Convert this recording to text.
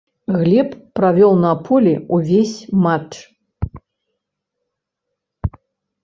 Глеб правёў на полі ўвесь матч.